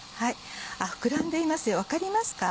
膨らんでいますよ分かりますか？